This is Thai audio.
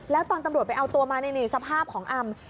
แล้วตอนตำรวจไปเอาตัวมานี่สภาพของอำ